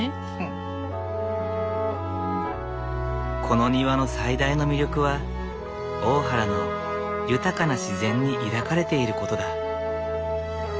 この庭の最大の魅力は大原の豊かな自然に抱かれていることだ。